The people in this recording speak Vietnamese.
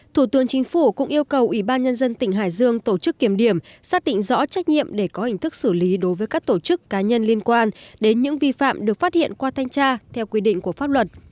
thủ tướng chính phủ cũng yêu cầu ủy ban nhân dân tỉnh hải dương tổ chức kiểm điểm xác định rõ trách nhiệm để có hình thức xử lý đối với các tổ chức cá nhân liên quan đến những vi phạm được phát hiện qua thanh tra theo quy định của pháp luật